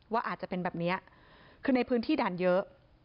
ว่าอาจจะเป็นแบบนี้คือในพื้นที่ด่านเยอะ